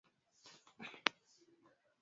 wa mataifa bi susan rice